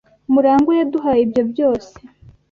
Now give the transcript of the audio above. Murangwa yaduhaye ibyo byose.